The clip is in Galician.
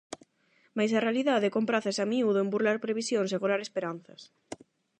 Mais a realidade comprácese a miúdo en burlar previsións e gorar esperanzas.